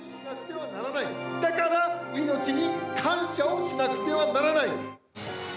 だから命に感謝をしなくてはならない！